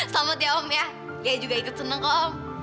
selamat ya om ya ya juga ikut senang om